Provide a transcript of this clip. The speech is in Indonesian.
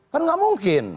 kan tidak mungkin